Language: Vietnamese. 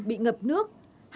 bị ngập nước